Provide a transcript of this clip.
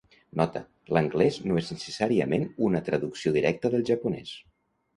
Nota: l'anglès no és necessàriament una traducció directa del japonès.